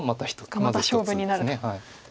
中央がまた勝負になると。